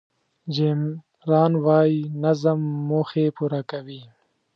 جیم ران وایي نظم موخې پوره کوي.